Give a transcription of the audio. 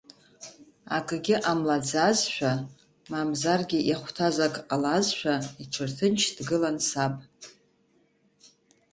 Акгьы ҟамлаӡазшәа, мамзаргьы иахәҭаз акы ҟалазшәа, иҽырҭынч дгылан саб.